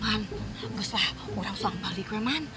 man anggus lah gua langsung balik man